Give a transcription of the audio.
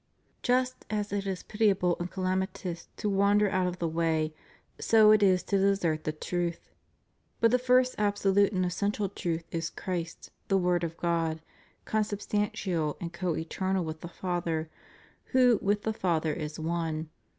Just as it is pitiable and calamitous to wander out of the way, so it is to desert the truth. But the first abso lute and essential truth is Christ, the Word of God, con substantial and co eternal with the Father, who with the Father is one.